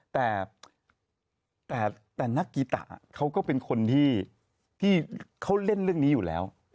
แต่นักกีตะเขาก็เป็นคนที่เขาเล่นเรื่องนี้อยู่แล้ว